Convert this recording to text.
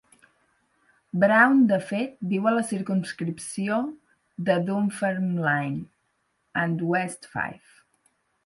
Brown de fet viu a la circumscripció de Dunfermline and West Fife.